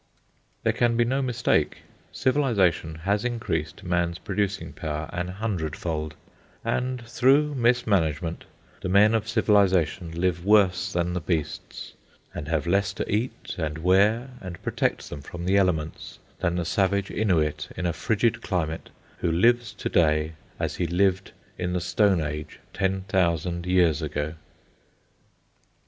There can be no mistake. Civilisation has increased man's producing power an hundred fold, and through mismanagement the men of Civilisation live worse than the beasts, and have less to eat and wear and protect them from the elements than the savage Innuit in a frigid climate who lives to day as he lived in the stone age ten thousand years ago.